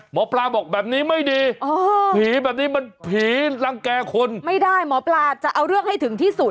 หมอปลาบอกแบบนี้ไม่ดีผีแบบนี้มันผีรังแก่คนไม่ได้หมอปลาจะเอาเรื่องให้ถึงที่สุด